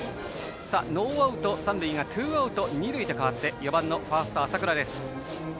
ノーアウト、三塁がツーアウト、二塁と変わって４番ファースト、浅倉。